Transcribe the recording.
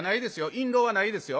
印籠はないですよ。